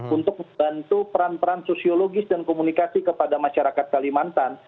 untuk membantu peran peran sosiologis dan komunikasi kepada masyarakat kalimantan